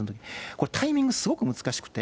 これ、タイミングすごく難しくて。